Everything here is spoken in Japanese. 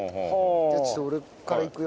じゃあちょっと俺からいくよ。